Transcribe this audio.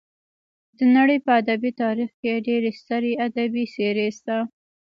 د نړۍ په ادبي تاریخ کې ډېرې سترې ادبي څېرې شته.